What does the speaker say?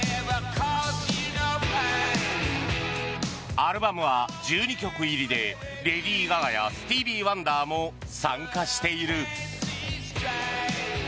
アルバムは１２曲入りでレディー・ガガやスティービー・ワンダーも参加している。